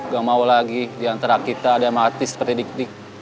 gak mau lagi diantara kita ada yang mati seperti dik dik